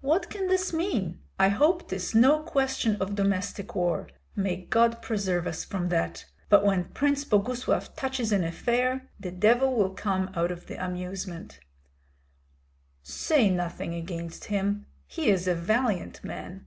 "What can this mean? I hope 'tis no question of domestic war. May God preserve us from that! But when Prince Boguslav touches an affair the devil will come of the amusement." "Say nothing against him; he is a valiant man."